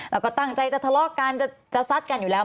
แล้วก็ตั้งใจจะทะเลาะกันจะซัดกันอยู่แล้ว